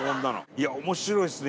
いや面白いっすね